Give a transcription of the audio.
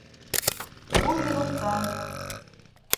Ун минуттан!